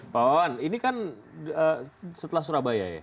pak wawan ini kan setelah surabaya ya